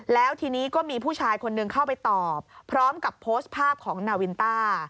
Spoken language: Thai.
แล้วทีนี้ก็มีผู้ชายคนหนึ่งเข้าไปตอบพร้อมกับโพสต์ภาพของนาวินต้า